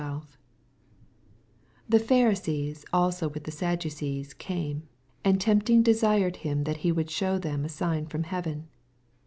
1 TIm PhariseeB also with the Sad dnoeee oame, and tempting desired him that he would shew them a sign fit)m heaven.